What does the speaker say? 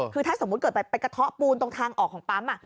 คือถ้าสมมุติเกิดไปกระเทาะปูนตรงทางออกของปั๊ม